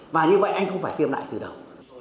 và như vậy anh không phải tiêm lại từ đầu